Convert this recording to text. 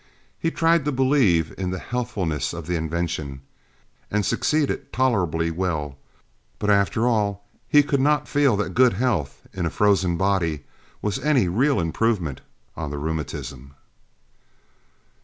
He tried to believe in the healthfulness of the invention, and succeeded tolerably well; but after all he could not feel that good health in a frozen body was any real improvement on the rheumatism.